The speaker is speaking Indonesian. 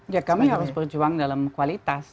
ya kami harus berjuang dalam kualitas